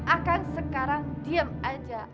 akang sekarang diem aja